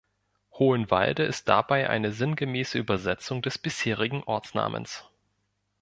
Hohenwalde ist dabei eine sinngemäße Übersetzung des bisherigen Ortsnamens.